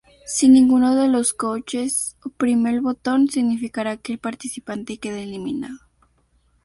Si ninguno de los "coaches" oprime el botón, significará que el participante queda eliminado.